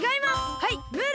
はいムール！